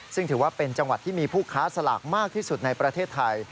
ซึ่งถือว่าเป็นจังหวัดที่มีผู้ค้าสลากมากที่สุดในประเทศไทย